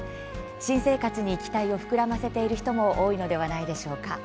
新生活に期待を膨らませている人も多いのではないでしょうか。